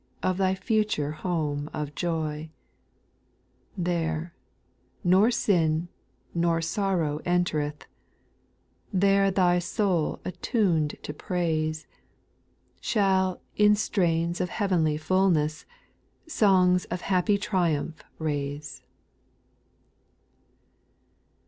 Of thy future home of joy ; There, nor sin, nor sorrow entereth ; There thy soul attun'd to praise. Shall, in strains of heavenly fullness, Songs of happy triumph raise.